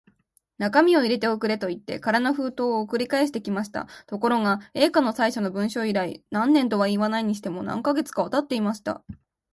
中身を入れて送れ、といって空の封筒を送り返してきました。ところが、Ａ 課の最初の文書以来、何年とはいわないにしても、何カ月かはたっていました。